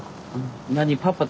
何パパと？